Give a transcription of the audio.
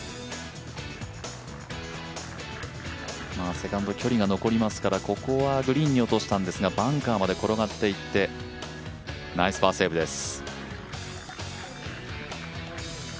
セカンド、距離が残りますからここはグリーンに落としたんですがバンカーまで転がっていって、ナイスパーセーブです。